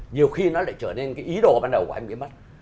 nhiều khi nó lại trở nên cái ý đồ ban đầu của anh bí mất